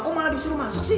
kok malah disuruh masuk sih